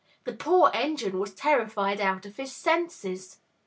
The poor engine was terrified out of his senses.